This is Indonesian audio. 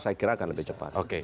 saya kira akan lebih cepat